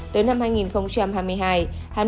tới năm hai nghìn hai mươi hai hắn được trở về địa phương